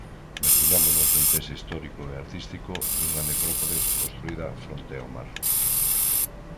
Mergullámonos no interese histórico e artístico dunha necrópole construída fronte ao mar.